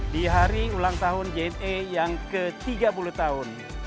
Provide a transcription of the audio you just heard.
di hari ulang tahun jna yang ke tiga puluh tahun